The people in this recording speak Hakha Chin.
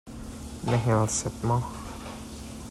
Na hngal set maw?